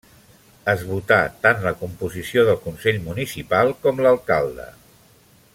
Es votà tant la composició del Consell municipal com l'alcalde.